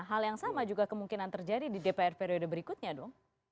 hal yang sama juga kemungkinan terjadi di dpr periode berikutnya dong